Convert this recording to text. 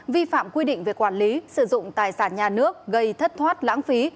vi phạm quy định về quản lý sử dụng tài sản nhà nước gây thất thoát lãng phí